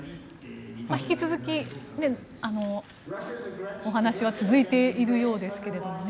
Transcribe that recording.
引き続きお話は続いているようですけど。